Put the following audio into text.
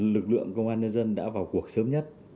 lực lượng công an nhân dân đã vào cuộc sớm nhất